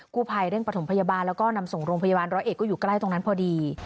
ผู้ภัยเร่งประถมพยาบาลแล้วก็นำส่งโรงพยาบาลร้อยเอกก็อยู่ใกล้ตรงนั้นพอดี